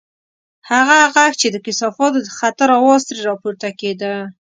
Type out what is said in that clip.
هغه غږ چې د کثافاتو د خطر اواز ترې راپورته کېده.